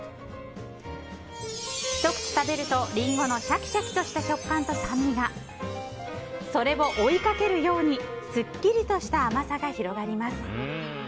ひと口食べるとりんごのシャキシャキとした食感と酸味がそれを追いかけるようにすっきりとした甘さが広がります。